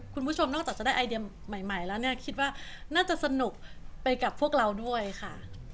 คุณผู้ชมนอกจากจะได้ไอเดียใหม่แล้วเนี่ยคิดว่าน่าจะสนุกไปกับพวกเราด้วยค่ะ